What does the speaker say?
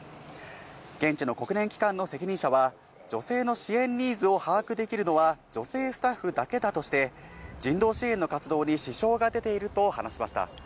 現地の国連機関の責任者は、女性の支援ニーズを把握できるのは、女性スタッフだけだとして、人道支援の活動に支障が出ていると話しました。